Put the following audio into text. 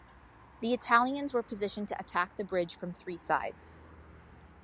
The Italians were positioned to attack the bridge from three sides.